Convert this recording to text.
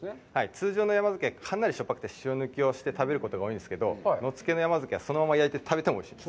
通常の山漬けはかなりしょっぱくて、塩抜きをして食べることが多いんですけど、野付の山漬けは、そのまま焼いて食べてもおいしいんです。